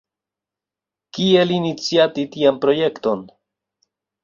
Kiel iniciati tian projekton?